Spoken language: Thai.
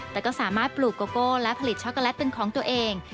แต่ก็สามารถปลูกโกโก้และผลิตช็อกโกแลตเป็นของตัวเอง